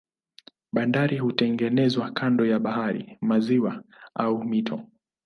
Bandari hutengenezwa kando ya bahari, maziwa au mito.